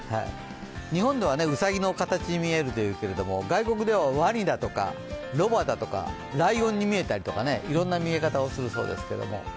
日本ではうさぎの形に見えるというけれども外国ではワニだとかロバだとかライオンに見えたりとかね、いろんな見え方をするそうですけども。